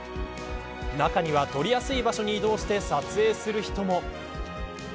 中には撮りやすい場所に移動して撮影する人も。